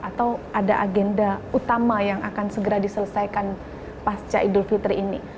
atau ada agenda utama yang akan segera diselesaikan pasca idul fitri ini